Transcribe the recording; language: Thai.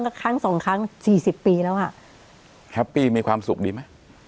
ก็ครั้งสองครั้งสี่สิบปีแล้วค่ะแฮปปี้มีความสุขดีไหม